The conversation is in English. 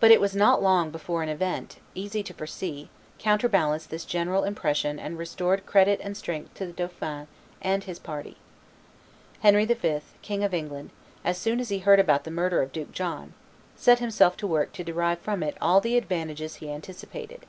But it was not long before an event, easy to foresee, counterbalanced this general impression and restored credit and strength to the dauphin and his party. Henry V., King of England, as soon as he heard about the murder of Duke John, set himself to work to derive from it all the advantages he anticipated.